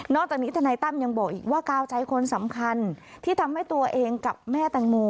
จากนี้ทนายตั้มยังบอกอีกว่ากาวใจคนสำคัญที่ทำให้ตัวเองกับแม่แตงโม